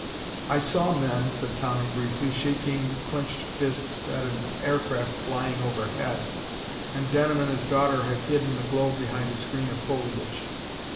"I saw men," said Tommy briefly, "shaking clenched fists at an aircraft flying overhead. And Denham and his daughter have hidden the globe behind a screen of foliage."